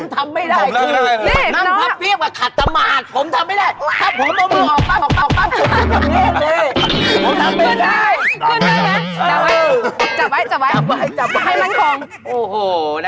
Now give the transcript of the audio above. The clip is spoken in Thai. คนดูนี่ระหล่าหล่าเอาของไทยก่อน